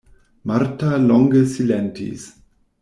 Marta longe silentis.